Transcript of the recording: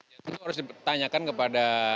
itu harus ditanyakan kepada